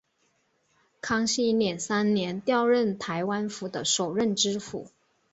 康熙廿三年调任台湾府的首任知府。